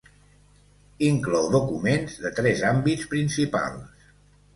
Inclou documents de tres àmbits principals.